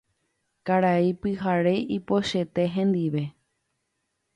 Karai Pyhare ipochyete hendive.